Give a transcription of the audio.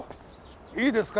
いいですか？